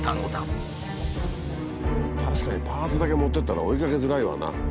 確かにパーツだけ持ってったら追いかけづらいわな。